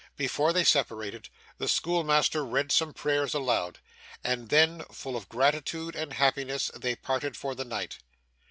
Before they separated, the schoolmaster read some prayers aloud; and then, full of gratitude and happiness, they parted for the night.